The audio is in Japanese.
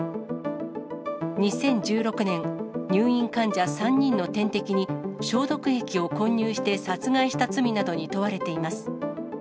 ２０１６年、入院患者３人の点滴に消毒液を混入して殺害した罪などに問われています。